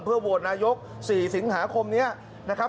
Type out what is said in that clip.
เพื่อววดนายกสี่สิงหาคมนี้นะครับ